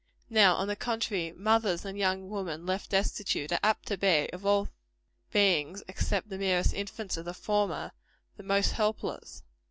Now, on the contrary, mothers and young women left destitute, are apt to be, of all beings, except the merest infants of the former, the most helpless.